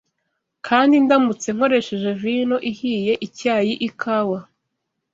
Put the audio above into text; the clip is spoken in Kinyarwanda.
kandi ndamutse nkoresheje vino ihiye, icyayi, ikawa,